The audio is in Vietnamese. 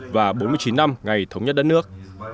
và bốn mươi chín năm ngày thống nhất đất nước